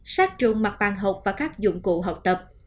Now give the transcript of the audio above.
sát trùng mặt bàn hộp và các dụng cụ học tập